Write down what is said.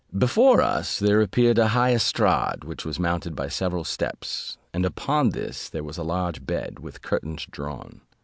Before us there appeared a high estrade, which we mounted by several steps, and upon this there was a large bed, with curtains drawn.